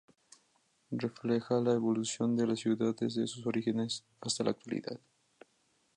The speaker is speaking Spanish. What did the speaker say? Refleja la evolución de la ciudad desde sus orígenes hasta la actualidad.